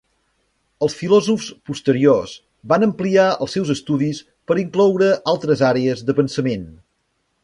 Els filòsofs posteriors van ampliar els seus estudis per incloure altres àrees de pensament.